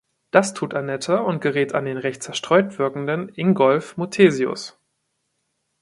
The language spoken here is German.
Das tut Annette und gerät an den recht zerstreut wirkenden Ingolf Muthesius.